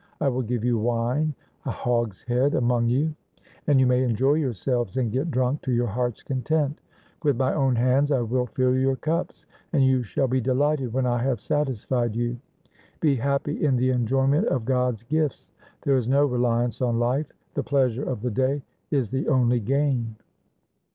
I will give you wine — a hogshead among you — and you may enjoy yourselves and get drunk to your hearts' content. With my own hands I will fill your cups, and you shall be delighted when I have satisfied you. Be happy in the enjoyment of God's gifts. There is no reliance on life. The pleasure of the day is the only gain.'